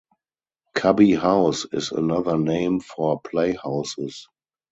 Cubby house is another name for playhouses.